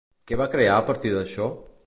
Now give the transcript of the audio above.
Què va crear a partir d'això?